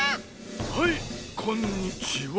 はいこんにちは。